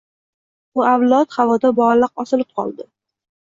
Bu avlod... havoda muallaq osilib qoldi.